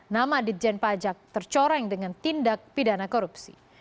nama ditjen pajak tercoreng dengan tindak pidana korupsi